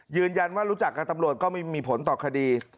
ยืนยันว่ารู้จักกับตำรวจก็ไม่มีผลต่อคดี